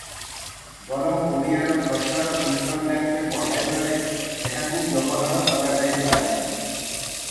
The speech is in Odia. ବରଂ ଓଡ଼ିଆର ପ୍ରଚାର ଇଣ୍ଟରନେଟରେ ବଢ଼ାଇବାରେ ଏହାକୁ ବ୍ୟବହାର କରାଯାଇପାରେ ।